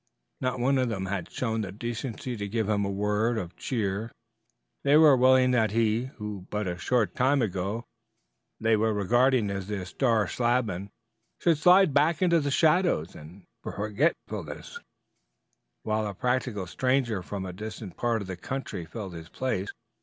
Not one of them had shown the decency to give him a word of cheer; they were willing that he, who but a short time ago they were regarding as their star slabman, should slide back into shadows and forgetfulness, while a practical stranger from a distant part of the country filled his place.